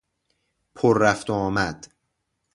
پررفت وآمد